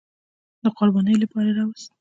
د قربانۍ لپاره راوست.